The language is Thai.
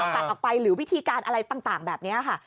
ตัดออกไปหรือวิธีการอะไรต่างแบบนี้ค่ะ